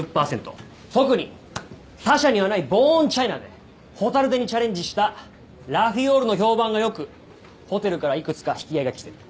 特に他社にはないボーンチャイナで蛍手にチャレンジしたラフィオールの評判が良くホテルからいくつか引き合いが来てる。